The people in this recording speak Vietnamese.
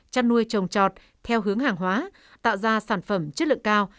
chăn nuôi trồng trọt theo hướng hàng hóa tạo ra sản phẩm chất lượng cao